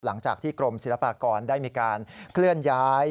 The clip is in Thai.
หลังจากที่กรมศิลปากรได้มีการเคลื่อนย้าย